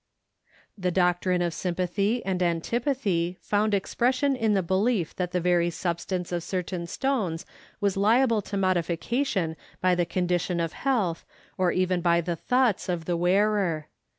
The doctrine of sympathy and antipathy found expression in the belief that the very substance of certain stones was liable to modification by the condition of health or even by the thoughts of the wearer.